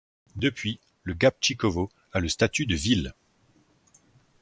Depuis le Gabčíkovo a le statut de ville.